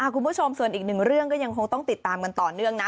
คุณผู้ชมส่วนอีกหนึ่งเรื่องก็ยังคงต้องติดตามกันต่อเนื่องนะ